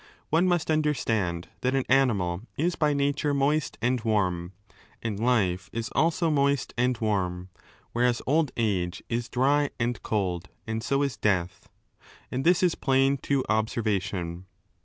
One must understand that an animal is by nature moist and warm, and life is also moist and warm, whereas old age is dry and cold, and so is death. And this is plain to observation.